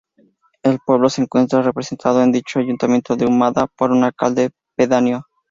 El pueblo se encuentra representado en dicho ayuntamiento de Humada por un alcalde pedáneo.